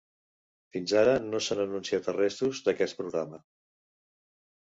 Fins ara, no s'han anunciat arrestos d'aquest programa.